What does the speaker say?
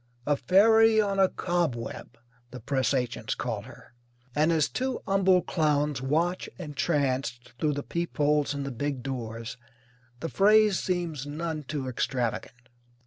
"A fairy on a cobweb" the press agents call her, and as two humble clowns watch entranced through the peepholes in the big doors the phrase seems none too extravagant.